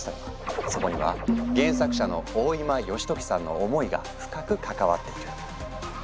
そこには原作者の大今良時さんの思いが深く関わっている。